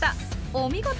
お見事！